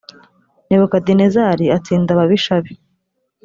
nebukadinezari atsinda ababisha be